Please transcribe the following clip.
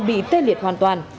bị tê liệt hoàn toàn